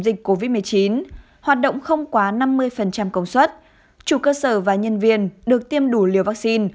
dịch covid một mươi chín hoạt động không quá năm mươi công suất chủ cơ sở và nhân viên được tiêm đủ liều vaccine